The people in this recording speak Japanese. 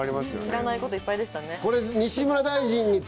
知らないこといっぱいでしたね。